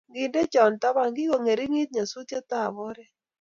Ngende cho taban, kikongeringit nyasuet ab oret